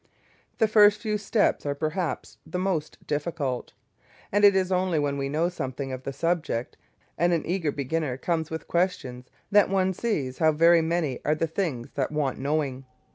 The first few steps are perhaps the most difficult, and it is only when we know something of the subject and an eager beginner comes with questions that one sees how very many are the things that want knowing.